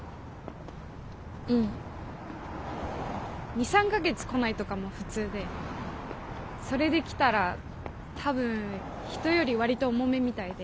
２３か月こないとかも普通でそれできたら多分人より割と重めみたいで。